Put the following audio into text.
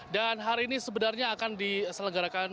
dan hari ini sebenarnya akan diselenggarakan